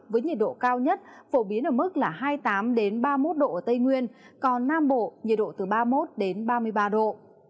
với nhiệt độ cao nhất phổ biến ở mức là hai mươi tám ba mươi một độ ở tây nguyên còn nam bộ nhiệt độ từ ba mươi một ba mươi ba độ